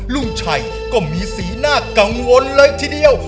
ลุงชัยก็มีสีหน้ากังวลเลยทีเดียว